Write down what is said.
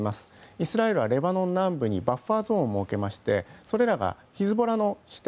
イスラエルはレバノン南部にバッファーゾーンを設けましてそれらがヒズボラの視点